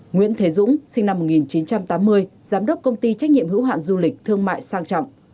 nguyễn thế dũng sinh năm một nghìn chín trăm tám mươi giám đốc công ty trách nhiệm hữu hạn du lịch thương mại sang trọng